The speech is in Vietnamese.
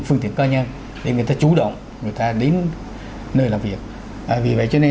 phương tiện ca nhân để người ta chú động người ta đến nơi làm việc vì vậy cho nên